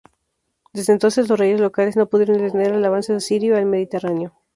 Desde entonces los reyes locales no pudieron detener el avance asirio al Mediterráneo.